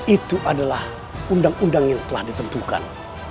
itu adalah undang undang yang telah ditentukan